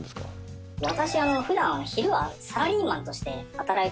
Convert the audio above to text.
私。